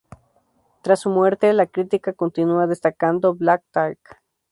Tras su muerte, la crítica continúa destacando "Black Talk!